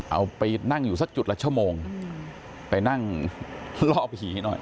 เอาไปนั่งอยู่สักจุดละชั่วโมงไปนั่งล่อผีหน่อย